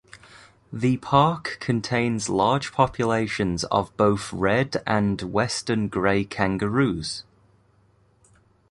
The park contains large populations of both red and western grey kangaroos.